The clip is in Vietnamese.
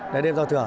để đêm giao thừa